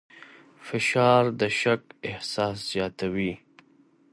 فشار د شک احساس زیاتوي.